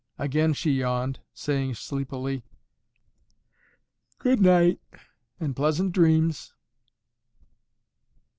Again she yawned, saying sleepily, "Good night and pleasant dreams."